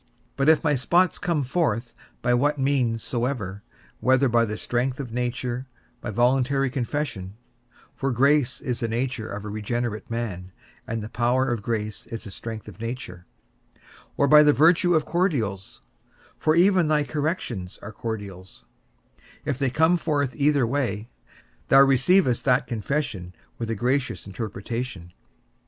But if my spots come forth, by what means soever, whether by the strength of nature, by voluntary confession (for grace is the nature of a regenerate man, and the power of grace is the strength of nature), or by the virtue of cordials (for even thy corrections are cordials), if they come forth either way, thou receivest that confession with a gracious interpretation.